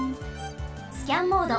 スキャンモード。